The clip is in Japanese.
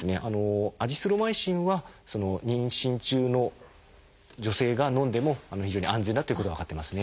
アジスロマイシンは妊娠中の女性がのんでも非常に安全だということが分かってますね。